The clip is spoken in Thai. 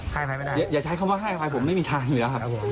ให้ไปไม่ได้อย่าใช้คำว่าให้ผมไม่มีทางอยู่แล้วครับ